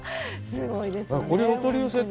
すごいですね